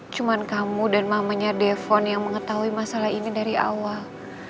cuma kamu dan mamanya defon yang mengetahui masalah ini dari awal